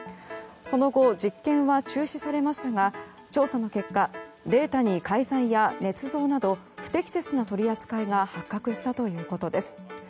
その後、実験は中止されましたが調査の結果データに改ざんやねつ造など不適切な取り扱いが発覚したということです。